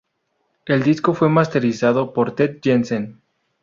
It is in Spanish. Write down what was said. El disco fue masterizado por Ted Jensen.